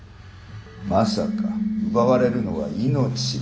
まさか奪われるのは命だったとは。